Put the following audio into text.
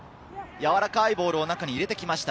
やわらかいボールを中に入れてきました。